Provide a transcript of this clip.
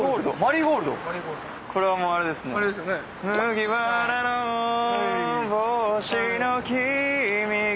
「麦わらの帽子の君が」